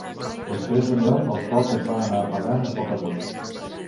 Després d'allò, el foc es va anar apagant a poc a poc.